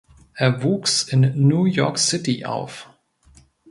Er wuchs in New York City auf.